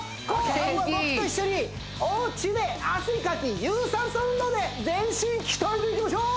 後半は僕と一緒におウチで汗かき有酸素運動で全身鍛えていきましょう！